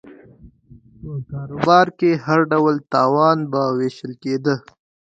په کاروبار کې هر ډول تاوان به وېشل کېده